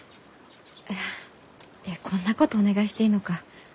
あいやこんなことお願いしていいのか。